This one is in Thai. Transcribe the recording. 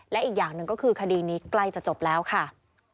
และอีกอย่างหนึ่งก็คือคดีนี้ใกล้จะจบแล้วค่ะ